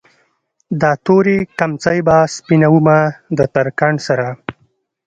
دا تورې کمڅۍ به سپينومه د ترکان سره